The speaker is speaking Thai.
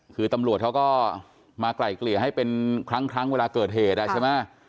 คือตำรวจเขาก็มาไกล่เกลี่ยให้เป็นครั้งเวลาเกิดเหตุใช่ไหม